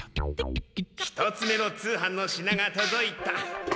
１つ目の通販の品がとどいた。